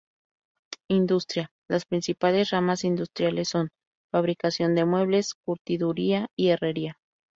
Industria: Las principales ramas industriales son: fabricación de muebles, curtiduría y herrería.